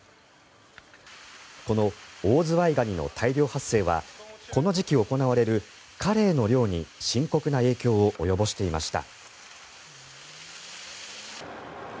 このオオズワイガニの大量発生はこの時期行われるカレイの漁に深刻な影響を及ぼしていました。